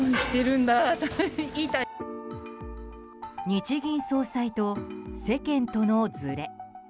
日銀総裁と世間とのずれ。